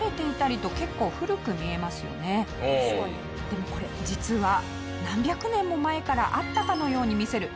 でもこれ実は何百年も前からあったかのように見せる演出なんです。